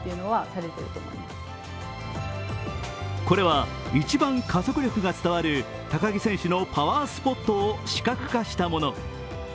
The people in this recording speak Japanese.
これは一番加速力が伝わる高木選手のパワースポットを視覚化したもの。